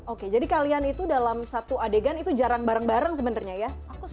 oke jadi kalian itu dalam satu adegan itu jarang bareng bareng sebenarnya ya